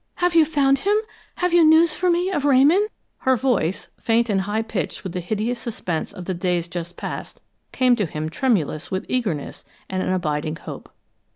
Have you found him? Have you news for me of Ramon?" Her voice, faint and high pitched with the hideous suspense of the days just past, came to him tremulous with eagerness and an abiding hope.